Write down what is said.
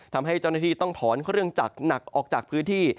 ทำให้เจ้าหน้าที่ต้องถอนเครื่องจักรหนักออกจากพื้นที่